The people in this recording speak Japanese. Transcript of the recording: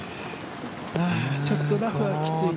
ちょっとラフはきついな。